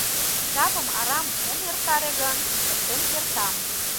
Жапым арам ом эртаре гын, эртен кертам...